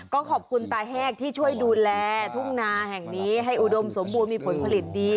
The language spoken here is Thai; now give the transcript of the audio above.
ก็ขอบคุณตาแห้งที่ช่วยดูแลทุ่งนาแห่งนี้ให้อุดมสมบูรณ์มีผลผลิตดี